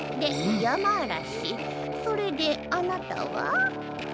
それであなたは？